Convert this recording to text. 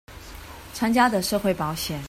參加的社會保險